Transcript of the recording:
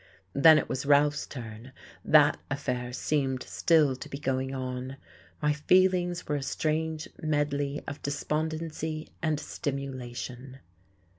Then it was Ralph's turn: that affair seemed still to be going on. My feelings were a strange medley of despondency and stimulation....